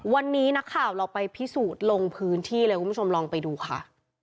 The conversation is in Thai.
วันนี้นักข่าวเราไปพิสูจน์ลงพื้นที่เลยคุณผู้ชมลองไปดูค่ะ